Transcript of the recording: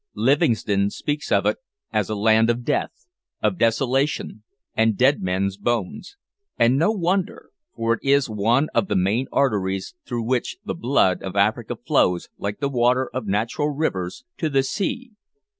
Livingstone speaks of it as a land of death, of desolation, and dead men's bones. And no wonder, for it is one of the main arteries through which the blood of Africa flows, like the water of natural rivers, to the sea.